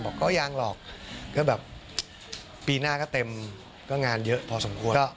ก็ยังหรอกก็แบบปีหน้าก็เต็มก็งานเยอะพอสมควร